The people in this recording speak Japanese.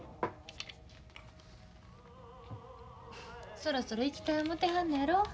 そろそろ行きたい思てはんのやろ。